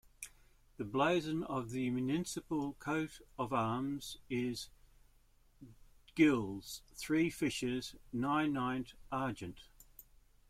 The blazon of the municipal coat of arms is Gules, three Fishes nainaint Argent.